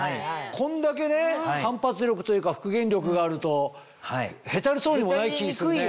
こんだけね反発力というか復元力があるとへたりそうにもない気するね。